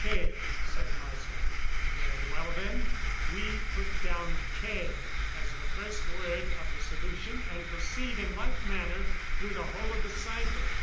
"K," said Marsland. "Very well, then. We put down 'K' as the first word of the solution and proceed in like manner through the whole of the cipher.